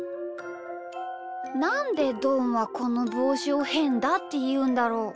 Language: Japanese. なんでどんはこのぼうしを「へんだ」っていうんだろう？